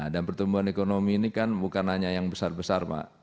dan pertumbuhan ekonomi ini kan bukan hanya yang besar besar